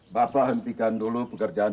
bapak hentikan dulu pekerjaan